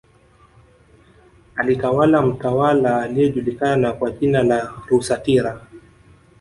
Alitawala mtawala aliyejuliakana kwa jina la Rusatira